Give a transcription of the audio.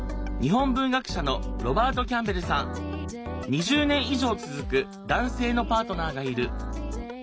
２０年以上続く男性のパートナーがいる。